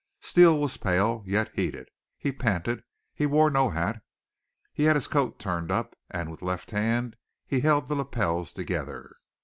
Steele was pale, yet heated. He panted. He wore no hat. He had his coat turned up and with left hand he held the lapels together.